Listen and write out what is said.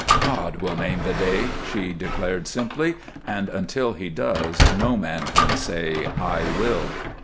"God will name the day," she declared, simply, "and until He does no man can say 'I will.'"